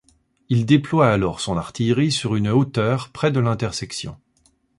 Il déploie alors son artillerie sur une hauteur près de l'intersection.